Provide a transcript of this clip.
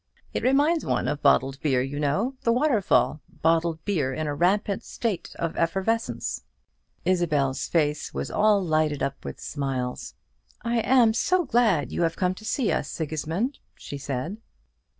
It reminds one of bottled beer, you know, the waterfall, bottled beer in a rampant state of effervescence." Isabel's face was all lighted up with smiles. "I am so glad you have come to see us, Sigismund," she said.